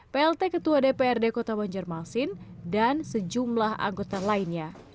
plt ketua dprd kota banjarmasin dan sejumlah anggota lainnya